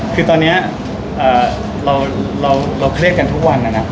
คือตอนนี้เราเครียดกันทุกวันนะนะ